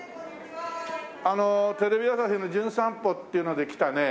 テレビ朝日の『じゅん散歩』っていうので来たね